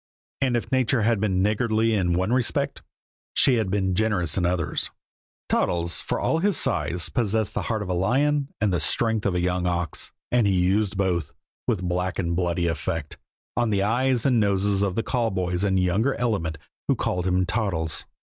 And if nature had been niggardly in one respect, she had been generous in others; Toddles, for all his size, possessed the heart of a lion and the strength of a young ox, and he used both, with black and bloody effect, on the eyes and noses of the call boys and younger element who called him Toddles.